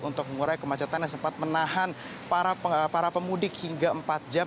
untuk mengurai kemacetan yang sempat menahan para pemudik hingga empat jam